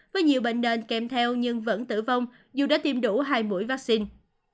với nhiều bệnh nền kèm theo nhưng vẫn tử vong dù đã tiêm đủ hai mũi vaccine